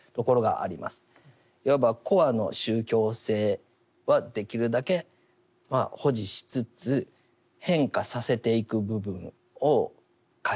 いわばコアの宗教性はできるだけ保持しつつ変化させていく部分を変えていくというところですよね。